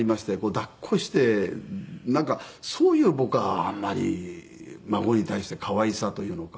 抱っこしてなんかそういう僕はあんまり孫に対して可愛さというのか。